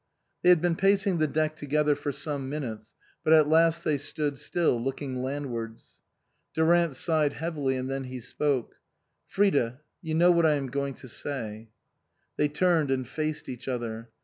They had been pacing the deck together for some minutes, but at last they stood still, look ing landwards. Durant sighed heavily and then he spoke. " Frida, you know what I am going to say " They turned and faced each other.